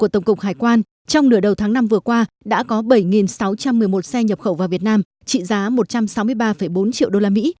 tổng cục hải quan trong nửa đầu tháng năm vừa qua đã có bảy sáu trăm một mươi một xe nhập khẩu vào việt nam trị giá một trăm sáu mươi ba bốn triệu đô la mỹ